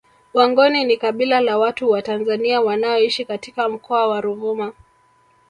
Wangoni ni kabila la watu wa Tanzania wanaoishi katika Mkoa wa Ruvuma